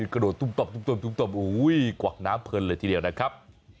กระโดดตุ้มตมกวักน้ำเพลินเลยทีเดียวนะครับ